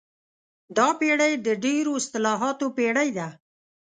دا پېړۍ د ډېرو اصطلاحاتو پېړۍ ده.